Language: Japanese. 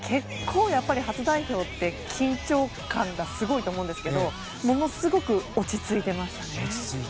初代表って緊張感がすごいと思うんですけどものすごく落ち着いていましたね。